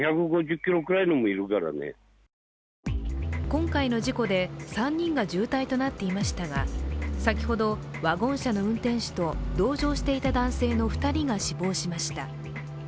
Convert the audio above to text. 今回の事故で３人が重体となっていましたが、先ほど、ワゴン車の運転手と同乗していた男性の２人が死亡しました。